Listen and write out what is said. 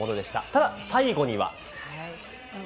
ただ、最後には。